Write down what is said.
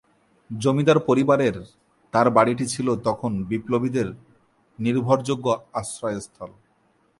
জমিদার পরিবারের তার বাড়িটি ছিলো তখন বিপ্লবীদের নির্ভরযোগ্য আশ্রয়স্থল।